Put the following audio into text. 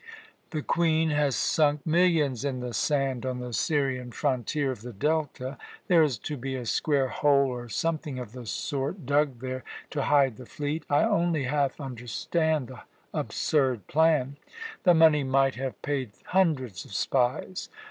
The Queen has sunk millions in the sand on the Syrian frontier of the Delta. There is to be a square hole or something of the sort dug there to hide the fleet. I only half understand the absurd plan. The money might have paid hundreds of spies.